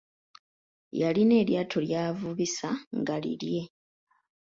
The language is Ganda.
Yalina eryato ly'avubisa nga lilye.